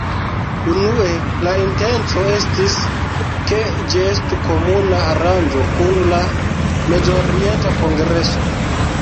Unue la intenco estis, ke ĝi estu komuna aranĝo kun la Mezorienta Kongreso.